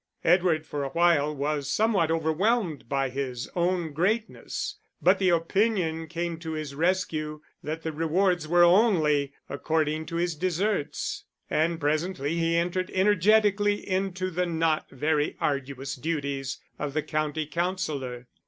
Edward, for a while, was somewhat overwhelmed by his own greatness, but the opinion came to his rescue that the rewards were only according to his deserts; and presently he entered energetically into the not very arduous duties of the County Councillor.